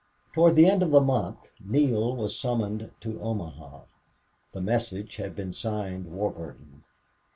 Toward the end of that month Neale was summoned to Omaha. The message had been signed Warburton.